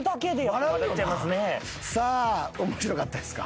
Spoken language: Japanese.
さあ面白かったですか？